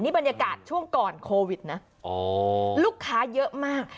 บรรยากาศช่วงก่อนโควิดนะลูกค้าเยอะมาก